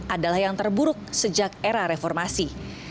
adalah yang terburuk sejak era reformasi